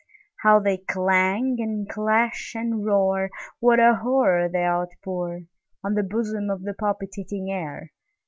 How they clang, and clash, and roar! What a horror they outpourOn the bosom of the palpitating air!